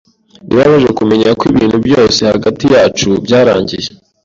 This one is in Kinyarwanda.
Birababaje kumenya ko ibintu byose hagati yacu byarangiye.